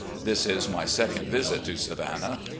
This is my second visit to Savannah.